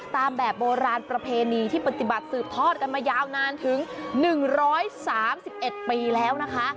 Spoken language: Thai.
ตามแบบโบราณประเพณีที่ปฏิบัติสืบทอดกันมายาวนานถึง๑๓๑ปีแล้วนะคะ